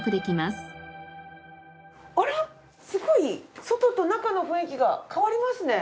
すごい外と中の雰囲気が変わりますね。